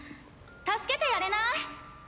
助けてやれない？